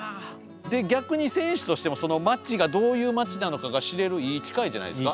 逆に選手としてもその町がどういう町なのかが知れるいい機会じゃないですか。